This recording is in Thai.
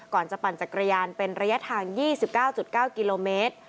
ก่อนจะปั่นจักรยานเป็นระยะทาง๒๙๙กิโลเมตร